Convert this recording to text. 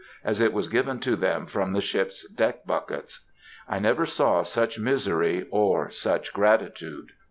as it was given to them from the ship's deck buckets. I never saw such misery or such gratitude.